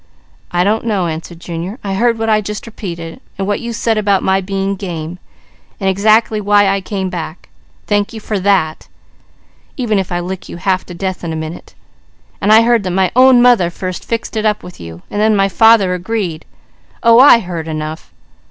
"I don't know," answered Junior. "I heard what I just repeated, and what you said about my being game, and exactly why I came back; thank you for that, even if I lick you half to death in a minute and I heard that my own mother first fixed it up with you, and then father agreed. Oh I heard enough